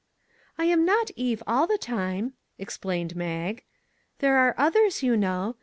" I'm not Eve all the time," explained Mag; " there are others, you know.